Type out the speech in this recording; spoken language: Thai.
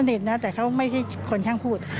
ก็สนิทนะแต่เขาไม่ควรช่างพูด